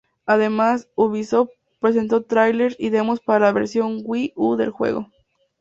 Además, Ubisoft presentó trailers y demos para la versión Wii U del juego.